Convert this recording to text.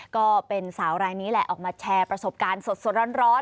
ก็เป็นสาวรายนี้แหละออกมาแชร์ประสบการณ์สดร้อน